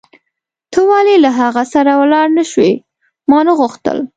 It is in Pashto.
ته ولې له هغه سره ولاړ نه شوې؟ ما نه غوښتل.